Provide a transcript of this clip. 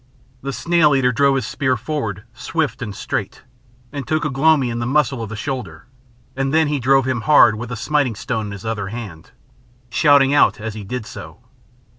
The Snail eater drove his spear forward swift and straight, and took Ugh lomi in the muscle of the shoulder, and then he drove him hard with the smiting stone in his other hand, shouting out as he did so.